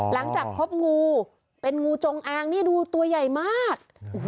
หลังจากพบงูเป็นงูจงอางนี่ดูตัวใหญ่มาก